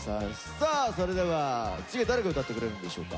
さあそれでは次は誰が歌ってくれるんでしょうか。